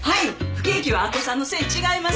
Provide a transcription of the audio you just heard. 不景気は明子さんのせい違います。